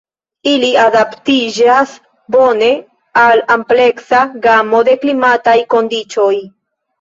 Ili adaptiĝas bone al ampleksa gamo de klimataj kondiĉoj.